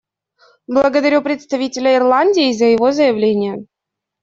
Благодарю представителя Ирландии за его заявление.